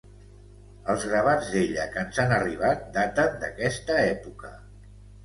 Els gravats d'ella que ens han arribat daten d'aquesta època.